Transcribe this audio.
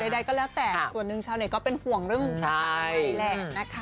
แต่ใดก็แล้วแต่ส่วนหนึ่งชาวเด็กก็เป็นห่วงเรื่องนี้แหละนะคะ